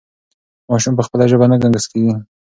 ماشوم په خپله ژبه نه ګنګس کېږي.